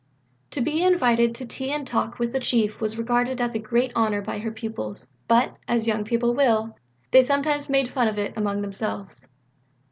To be invited to tea and talk with the Chief was regarded as a great honour by her pupils, but, as young people will, they sometimes made fun of it among themselves.